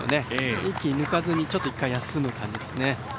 一気に抜かずにちょっと休む感じですね。